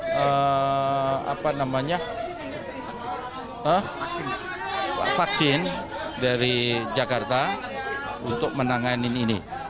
dan kita akan mengambil vaksin dari jakarta untuk menanganin ini